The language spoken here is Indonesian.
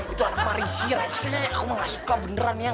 itu anak marisi raisi aku mah gak suka beneran yang